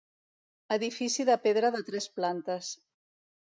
Edifici de pedra de tres plantes.